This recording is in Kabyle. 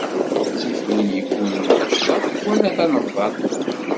Ttif win iggunin tacḍaḍt, wala tanebḍaḍt.